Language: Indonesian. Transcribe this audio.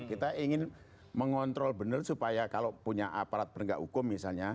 kita ingin mengontrol benar supaya kalau punya aparat penegak hukum misalnya